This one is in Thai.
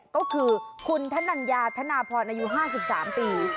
ก็คือคุณธนัญญาธนาพรอายุ๕๓ปี